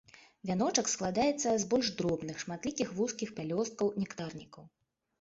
Вяночак складаецца з больш дробных, шматлікіх вузкіх пялёсткаў-нектарнікаў.